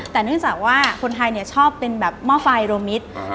แต่เนื่องจากว่าคนไทยชอบเป็นแบบหม้อไฟโรมิตร